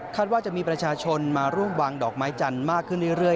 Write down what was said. ว่าจะมีประชาชนมาร่วมวางดอกไม้จันทร์มากขึ้นเรื่อย